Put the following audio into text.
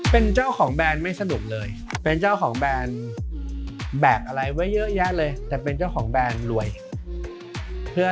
เป็นเจ้าของแบรนด์ไม่สนุกเลย